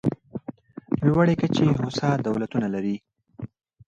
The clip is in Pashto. لوړې کچې هوسا دولتونه لري.